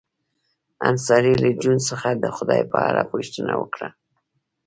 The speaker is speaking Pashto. انصاري له جون څخه د خدای په اړه پوښتنه وکړه